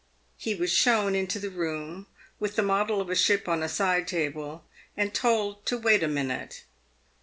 He was shown into the room with the model of a ship on a side table, and told to wait a minute.